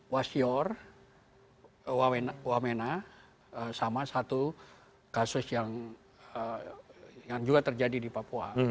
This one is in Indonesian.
wasior wamena sama satu kasus yang juga terjadi di papua